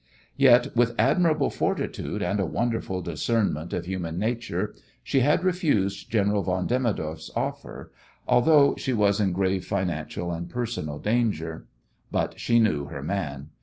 Yet with admirable fortitude and a wonderful discernment of human nature, she had refused General von Demidoff's offer, although she was in grave financial and personal danger. But she knew her man.